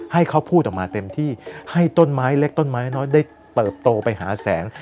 ให้เขาพูดออกมาเต็มที่ให้ต้นไม้เล็กต้นไม้น้อยได้เติบโตไปหาแสง